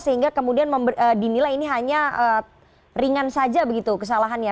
sehingga kemudian dinilai ini hanya ringan saja begitu kesalahannya